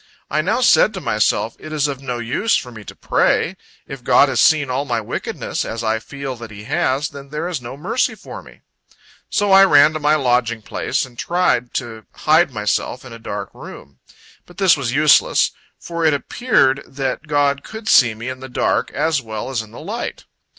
I now said to myself, "It is of no use for me to pray. If God has seen all my wickedness, as I feel that He has, then there is no mercy for me." So I ran to my lodging place, and tried to hide myself in a dark room. But this was useless; for it appeared that God could see me in the dark, as well as in the light.